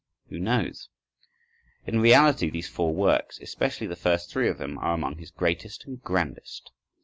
Who knows? In reality these four works, especially the first three of them, are among his greatest and grandest.